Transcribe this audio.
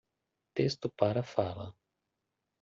Texto para fala.